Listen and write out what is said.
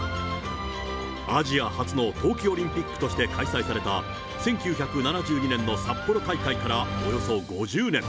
アジア初の冬季オリンピックとして開催された１９７２年の札幌大会からおよそ５０年。